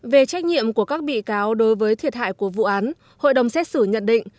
về trách nhiệm của các bị cáo đối với thiệt hại của vụ án hội đồng xét xử nhận định